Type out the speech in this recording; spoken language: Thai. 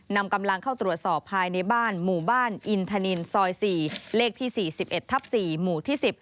นำกำลังเข้าตรวจสอบภายในบ้านหมู่บ้านอินทนินซอย๔เลขที่๔๑ทับ๔หมู่ที่๑๐